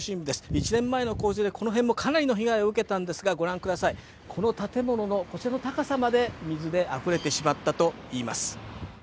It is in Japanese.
１年前の洪水でこの辺もかなりの被害を受けたんですが、ご覧ください、この建物のこちらの高さまで水であふれてしまったといいます。